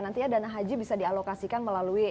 nantinya dana haji bisa dialokasikan melalui